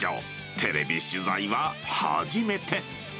テレビ取材は初めて。